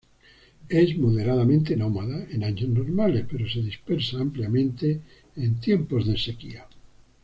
Es moderadamente nómada en años normales, pero se dispersa ampliamente en tiempos de sequía.